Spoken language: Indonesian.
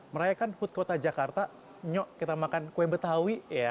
merayakan food kota jakarta nyok kita makan kue betawi